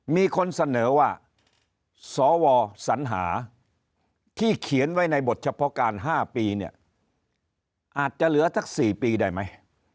มีคนเสนอว่าสวสัญหาที่เขียนไว้ในบทเฉพาะการ๕ปีเนี่ยอาจจะเหลือสัก๔ปีได้ไหม